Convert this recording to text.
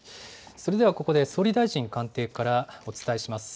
それではここで総理大臣官邸からお伝えします。